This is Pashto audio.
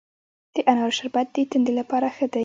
د انارو شربت د تندې لپاره ښه دی.